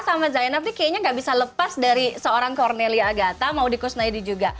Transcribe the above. sama zainab kayaknya nggak bisa lepas dari seorang cornelia agata mau dikus naidi juga